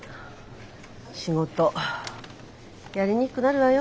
仕事やりにくくなるわよ。